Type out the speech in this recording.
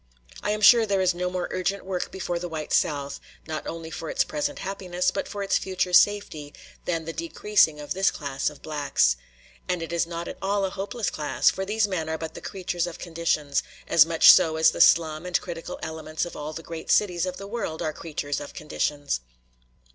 I am sure there is no more urgent work before the white South, not only for its present happiness, but for its future safety, than the decreasing of this class of blacks. And it is not at all a hopeless class; for these men are but the creatures of conditions, as much so as the slum and criminal elements of all the great cities of the world are creatures of conditions.